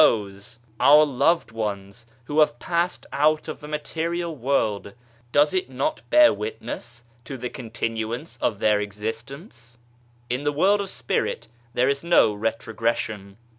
82 EVOLUTION OF THE SPIRIT our loved ones, who have passed out of the material world : does it not bear witness to the continuance of their existence ? In the World of Spirit there is no retrogression.